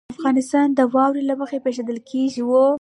افغانستان د واوره له مخې پېژندل کېږي.